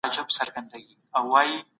آیا د بېوزلو خبره په دې نړۍ کي ارزښت لري؟